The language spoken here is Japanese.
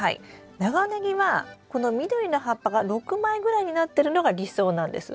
長ネギはこの緑の葉っぱが６枚ぐらいになってるのが理想なんです。